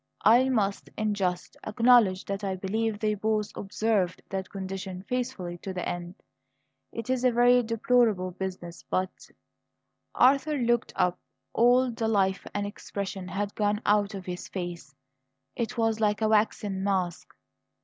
I must, in justice, acknowledge that I believe they both observed that condition faithfully to the end. It is a very deplorable business; but " Arthur looked up. All the life and expression had gone out of his face; it was like a waxen mask.